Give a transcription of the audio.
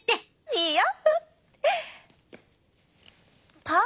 いいよ！